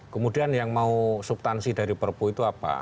kemudian yang mau subtansi dari perpu itu apa